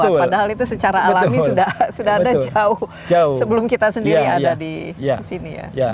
padahal itu secara alami sudah ada jauh sebelum kita sendiri ada di sini ya